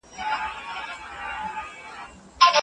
هغه ځوانان چي مطالعه کوي، د ټولني شعوري انسانان دي.